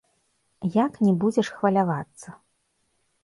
Як не будзеш хвалявацца?